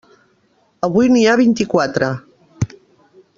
Avui n'hi ha vint-i-quatre.